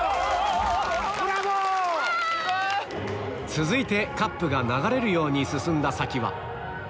続いてカップが流れるように進んだ先は